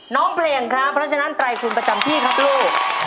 น้องเพลงครับเพราะฉะนั้นไตรคุณประจำที่ครับลูก